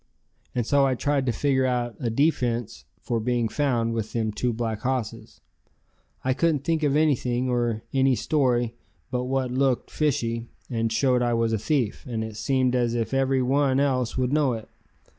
And so I tried to figure out a defense for being found with them two black hosses. I couldn't think of anything or any story but what looked fishy and showed I was a thief, and it seemed as if every one else would know it.